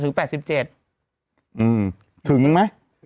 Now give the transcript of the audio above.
อืมถึงไหม